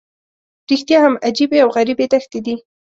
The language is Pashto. رښتیا هم عجیبې او غریبې دښتې دي.